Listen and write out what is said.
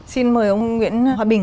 xin mời ông nguyễn hòa bình